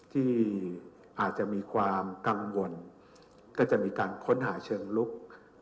ที่อาจจะมีความกังวลก็จะมีการค้นหาเชิงลุก